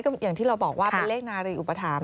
ก็อย่างที่เราบอกว่าเป็นเลขนารีอุปถัมภ